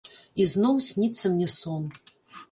І зноў сніцца мне сон.